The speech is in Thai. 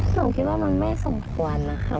หนูคิดว่ามันไม่สมควรนะคะ